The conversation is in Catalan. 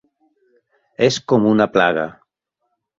És com una plaga.